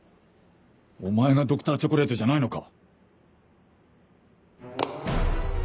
お前がＤｒ．チョコレートじゃないのか？